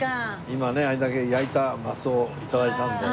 今ねあれだけ焼いたマスを頂いたんで。